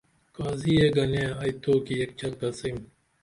قاضی یے گنے تہ ائی توکی ایک چل کڅئیم